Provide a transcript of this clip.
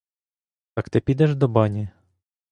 Так ти підеш до бані?